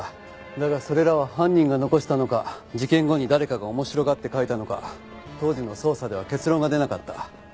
だがそれらは犯人が残したのか事件後に誰かが面白がって描いたのか当時の捜査では結論が出なかった。